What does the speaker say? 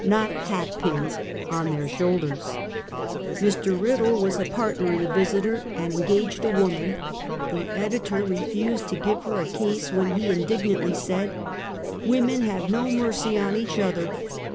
not hat pins, on their shoulders. Mr. Kiddle was a partner in the Visiter, and en gaged a woman. The editor refused to give her a case, when he indignantly said: " Women have no mercy on each other.